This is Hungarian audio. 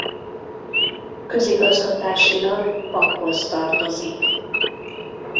Közigazgatásilag Paghoz tartozik.